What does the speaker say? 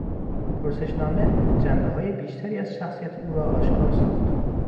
پرسشنامه جنبههای بیشتری از شخصیت او را آشکار ساخت.